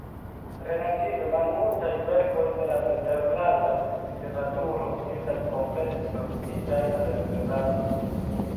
Relative malmultaj verkoj de la nederlanda literaturo estas komplete tradukitaj al Esperanto.